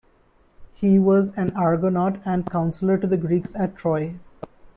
He was an Argonaut and counselor to the Greeks at Troy.